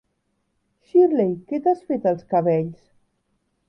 Shirley, que t'has fet als cabells?